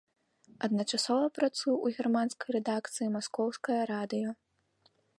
Адначасова працуе ў германскай рэдакцыі маскоўскага радыё.